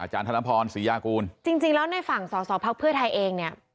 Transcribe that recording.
จริงแล้วในฝั่งสอสอภักดิ์เพื่อไทยเองเนี่ย